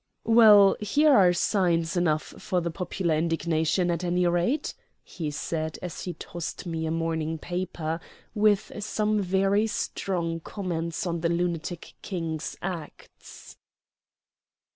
"Well, here are signs enough of the popular indignation, at any rate," he said as he tossed me a morning paper with some very strong comments on the lunatic King's acts.